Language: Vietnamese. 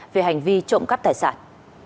về hành vi trộm cắp tài sản